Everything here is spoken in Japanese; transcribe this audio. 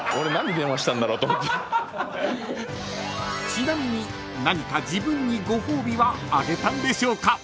［ちなみに何か自分にご褒美はあげたんでしょうか？］